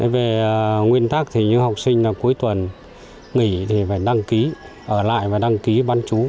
về nguyên tắc thì những học sinh cuối tuần nghỉ thì phải đăng ký ở lại và đăng ký bán chú